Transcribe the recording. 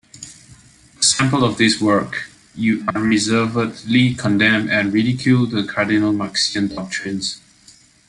A sample of this work: You unreservedly condemn and ridicule the cardinal Marxian doctrines.